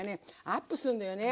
アップすんのよね。